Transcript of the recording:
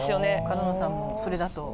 角野さんもそれだと。